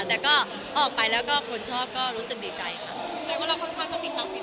แต่ก็ออกไปแล้วคนชอบก็รู้สึกดีใจค่ะ